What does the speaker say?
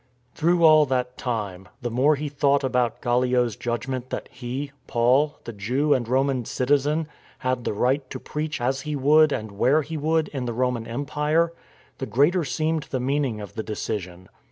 Through all that time, the more he thought about Gallio's judgment that he, Paul, the Jew and Roman citizen, had the right to preach as he would and where he would in the Roman Empire, the greater seemed the meaning of the decision.